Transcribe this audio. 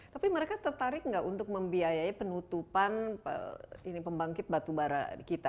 tapi mereka tertarik nggak untuk membiayai penutupan pembangkit batubara kita